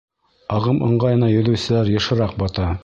Ағым ыңғайына йөҙөүселәр йышыраҡ бата.